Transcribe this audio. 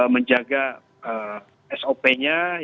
menjaga sop nya